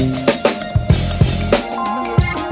nggak ada yang denger